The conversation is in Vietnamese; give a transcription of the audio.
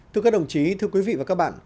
thưa các đồng chí thưa quý vị và các bạn